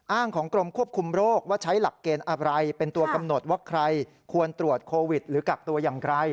ของกรมควบคุมโรคว่าใช้หลักเกณฑ์อะไรเป็นตัวกำหนดว่าใครควรตรวจโควิดหรือกักตัวอย่างไร